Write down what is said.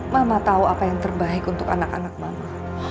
mama tahu apa yang terbaik untuk anak anak mama